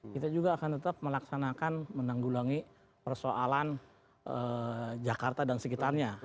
kita juga akan tetap melaksanakan menanggulangi persoalan jakarta dan sekitarnya